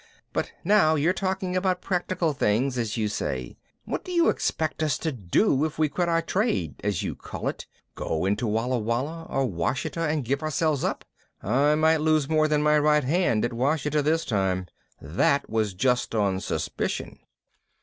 But now you're talking about practical things, as you say. What do you expect us to do if we quit our trade, as you call it go into Walla Walla or Ouachita and give ourselves up? I might lose more than my right hand at Ouachita this time that was just on suspicion."